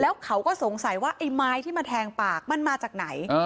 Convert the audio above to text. แล้วเขาก็สงสัยว่าไอ้ไม้ที่มาแทงปากมันมาจากไหน